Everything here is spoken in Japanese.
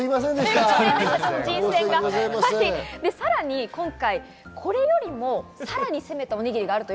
さらに今回、これよりも攻めたおにぎりがあります。